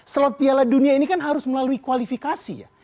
slot piala dunia ini kan harus melalui kualifikasi ya